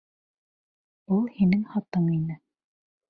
Ул һинең хатың ине.